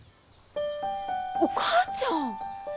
お母ちゃん！